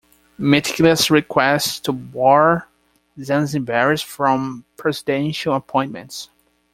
Mtikila's request to bar Zanzibaris from presidential appointments.